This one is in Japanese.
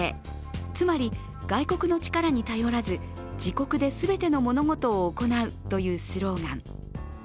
つまり、外国の力に頼らず自国で全ての物事を行うというスローガン。